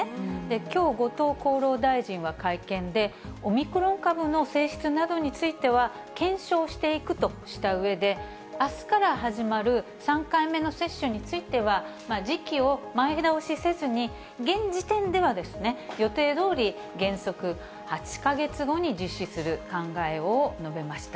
きょう、後藤厚労大臣は会見で、オミクロン株の性質などについては、検証していくとしたうえで、あすから始まる３回目の接種については、時期を前倒しせずに、現時点ではですね、予定どおり、原則８か月後に実施する考えを述べました。